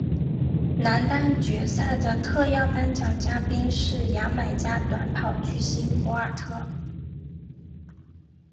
男单决赛的特邀颁奖嘉宾是牙买加短跑巨星博尔特。